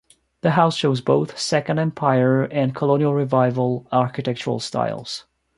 The house shows both Second Empire and Colonial Revival architectural styles.